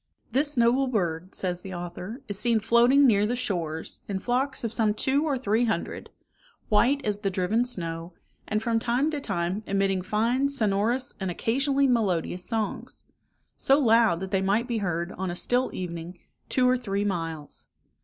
"This noble bird," says the author, "is seen floating near the shores, in flocks of some two or three hundred, white as the driven snow, and from time to time emitting fine sonorous, and occasionally melodious songs; so loud, that they might be heard, on a still evening, two or three miles.